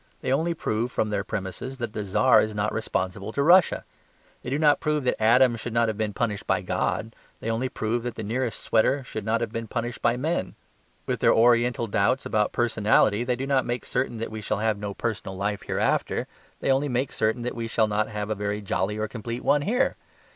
They only prove (from their premises) that the Czar is not responsible to Russia. They do not prove that Adam should not have been punished by God; they only prove that the nearest sweater should not be punished by men. With their oriental doubts about personality they do not make certain that we shall have no personal life hereafter; they only make certain that we shall not have a very jolly or complete one here.